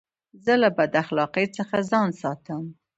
زه له بداخلاقۍ څخه ځان ساتم.